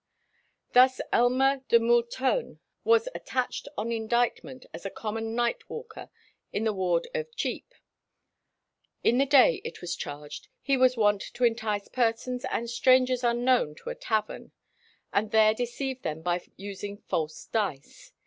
Thus Elmer de Multone was attached on indictment as a common night walker in the ward of Chepe; in the day, it was charged, he was wont to entice persons and strangers unknown to a tavern and there deceive them by using false dice.